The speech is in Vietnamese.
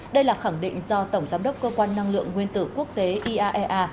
đây là khẳng định do tổng giám đốc cơ quan năng lượng nguyên tử quốc tế iaea